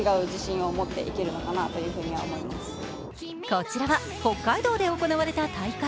こちらは北海道で行われた大会。